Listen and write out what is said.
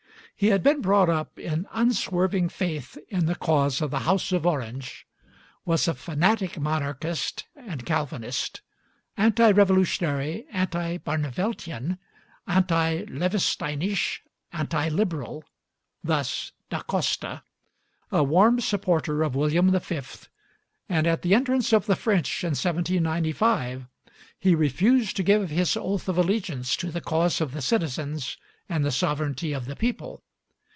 He had been brought up in unswerving faith in the cause of the house of Orange, was a fanatic monarchist and Calvinist, "anti revolutionary, anti Barneveldtian, anti Loevesteinisch, anti liberal" (thus Da Costa), a warm supporter of William the Fifth, and at the entrance of the French in 1795 he refused to give his oath of allegiance to the cause of the citizens and the sovereignty of the people.